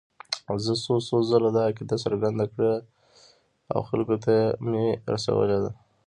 زه څو څو ځله دا عقیده څرګنده کړې او خلکو ته مې رسولې ده.